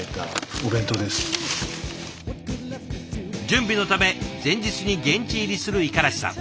準備のため前日に現地入りする五十嵐さん。